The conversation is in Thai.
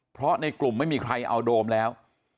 เพราะในกลุ่มไม่มีใครเอาโดมแล้ว